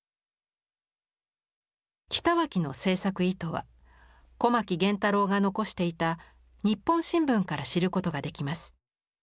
北脇の制作意図は小牧源太郎が残していた「ニッポン新聞」から知ることができます。